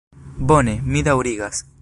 Bone, mi daŭrigas.